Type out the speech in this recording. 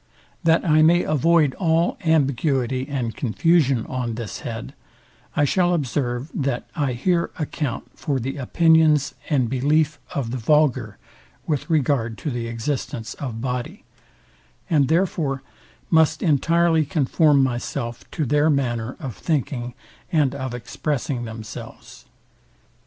That I may avoid all ambiguity and confusion on this head, I shall observe, that I here account for the opinions and belief of the vulgar with regard to the existence of body; and therefore must entirely conform myself to their manner of thinking and of expressing themselves.